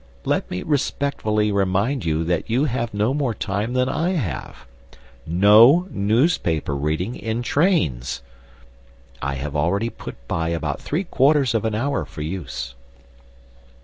Let me respectfully remind you that you have no more time than I have. No newspaper reading in trains! I have already "put by" about three quarters of an hour for use.